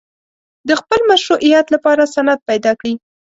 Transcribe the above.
د خپل مشروعیت لپاره سند پیدا کړي.